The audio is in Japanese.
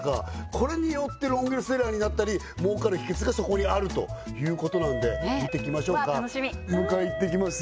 これによってロングセラーになったり儲かる秘けつがそこにあるということなんでわあ楽しみ迎え行ってきます